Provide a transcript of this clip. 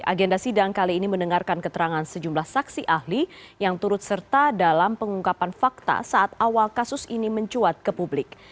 agenda sidang kali ini mendengarkan keterangan sejumlah saksi ahli yang turut serta dalam pengungkapan fakta saat awal kasus ini mencuat ke publik